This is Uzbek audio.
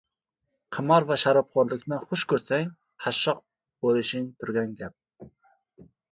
– qimor va sharobxo‘rlikni xush ko‘rsang qashshoq b'lishing turgan gap;